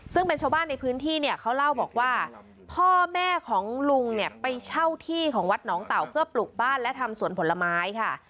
ซึ่งเป็นชาวบ้านในพื้นที่เนี่ยเขาเล่าบอกว่าพ่อแม่ของลุงเนี่ยไปเช่าที่ของวัดหนองเต่าเพื่อปลูกบ้านและทำสวนผลไม้ค่ะ